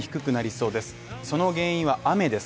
その原因は雨です。